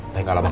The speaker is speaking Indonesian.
nanti kalah pak